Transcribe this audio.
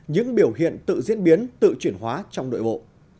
những biểu hiện tự diễn biến tự chuyển hóa trong nội bộ